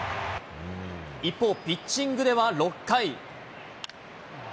一方、ピッチングでは６回。